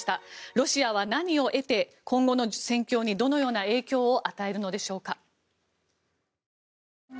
ロシアは何を得て今後の戦況にどのような影響を与えるのでしょうか。